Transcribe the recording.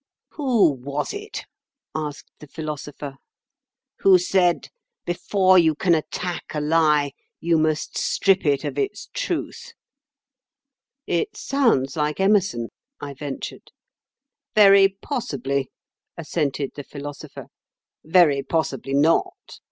"Who was it," asked the Philosopher, "who said: 'Before you can attack a lie, you must strip it of its truth'?" "It sounds like Emerson," I ventured. "Very possibly," assented the Philosopher; "very possibly not.